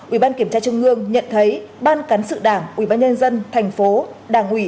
ủy ban kiểm tra trung ương nhận thấy ban cán sự đảng ủy ban nhân dân thành phố đảng ủy